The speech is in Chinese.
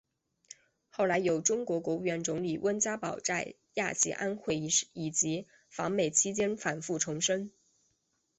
后来有中国国务院总理温家宝在亚细安会议以及访美期间反复重申。